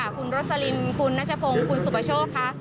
คุณรสลินคุณนัชพงศ์คุณสุประโชคค่ะ